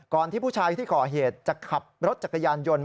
ที่ผู้ชายที่ก่อเหตุจะขับรถจักรยานยนต์